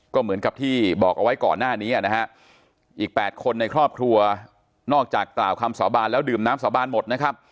ก็เหมือนกับที่บอกเอาไว้ก่อนหน้านี้นะฮะอีก๘คนในครอบครัวนอกจากกล่าวคำสาบานแล้วดื่มน้ำสาบานหมดนะครับ